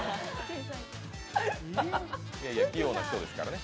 いやいや、器用な人ですからね。